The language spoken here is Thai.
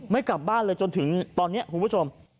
กลับบ้านเลยจนถึงตอนนี้คุณผู้ชม